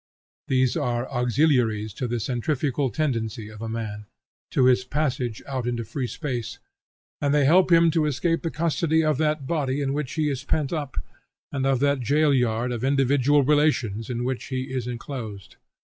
These are auxiliaries to the centrifugal tendency of a man, to his passage out into free space, and they help him to escape the custody of that body in which he is pent up, and of that jail yard of individual relations in which he is enclosed.